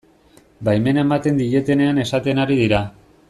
Baimena ematen dietenean esaten ari dira.